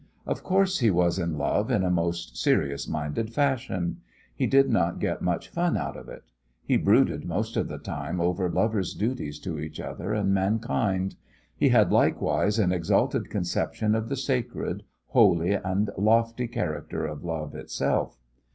Of course he was in love in a most serious minded fashion. He did not get much fun out of it. He brooded most of the time over lovers' duties to each other and mankind. He had likewise an exalted conception of the sacred, holy, and lofty character of love itself.